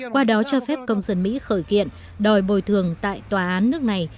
qua đó cho phép công dân mỹ khởi kiện đòi bồi thường tại tòa án nước này